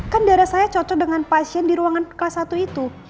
kan darah saya cocok dengan pasien di ruangan kelas satu itu